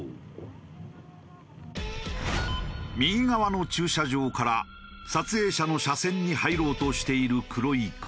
右側の駐車場から撮影者の車線に入ろうとしている黒い車。